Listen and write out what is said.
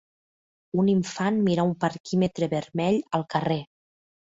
Un infant mira un parquímetre vermell al carrer.